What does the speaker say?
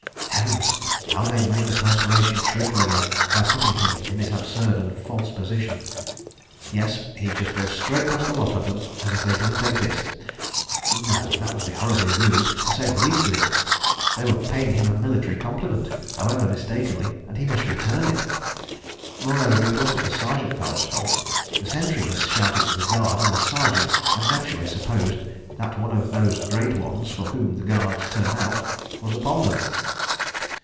.. (Heavens! How they'd made the perspiration trickle again, by putting him in this absurd and false position.) ... Yes—he'd just go straight past the lot of them as if they didn't exist. ... No—that would be horribly rude, to say the least of it. They were paying him a military compliment, however mistakenly, and he must return it. Moreover—it wasn't the Sergeant fellow's fault. The sentry had shouted to the Guard, and the Sergeant had naturally supposed that one of those Great Ones, for whom Guards turn out, was upon them.